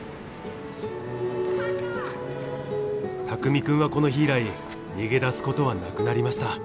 拓美くんはこの日以来逃げ出す事はなくなりました。